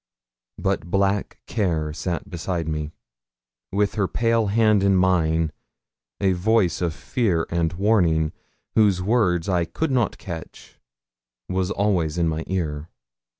But black Care sat by me, with her pale hand in mine: a voice of fear and warning, whose words I could not catch, was always in my ear.